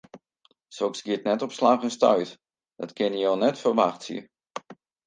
Soks giet net op slach en stuit, dat kinne jo net ferwachtsje.